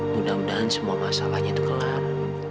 mudah mudahan semua masalahnya itu gelar